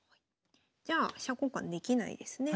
じゃあ飛車交換できないですね。